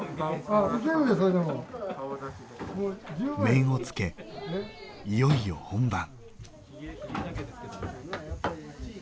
面をつけ、いよいよ本番。